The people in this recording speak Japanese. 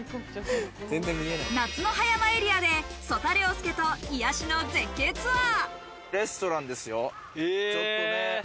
夏の葉山エリアで、曽田陵介と癒やしの絶景ツアー。